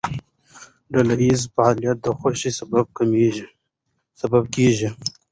ډلهییز فعالیت د خوښۍ سبب کېږي.